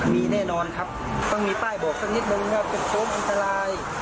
มีแน่นอนครับต้องมีป้ายบอกสักนิดนึงว่าเป็นโค้งอันตราย